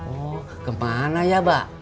oh kemana ya mbak